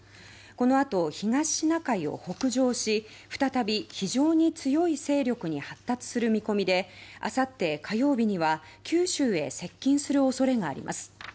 このあと東シナ海を北上し再び非常に強い勢力に発達する見込みであさって火曜日には九州へ接近する恐れがあります。